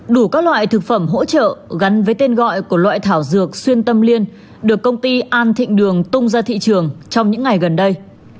đủ các loại thực phẩm hỗ trợ gắn với tên gọi của loại thảo dược xuyên tâm liên được công ty an thịnh đường tung ra thị trường trong những ngày gần đây